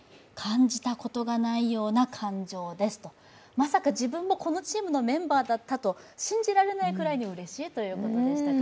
まさか自分もこのチームのメンバーだったと信じられないくらいうれしいということです。